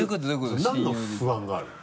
何の不安があるの？